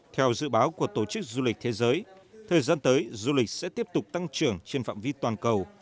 theo dự báo của tổ chức du lịch thế giới thời gian tới du lịch sẽ tiếp tục tăng trưởng trên phạm vi toàn cầu